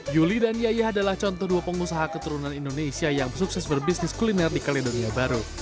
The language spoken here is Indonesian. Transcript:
yuli dan yayah adalah contoh dua pengusaha keturunan indonesia yang sukses berbisnis kuliner di kaledoria baru